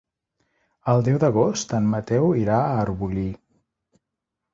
El deu d'agost en Mateu irà a Arbolí.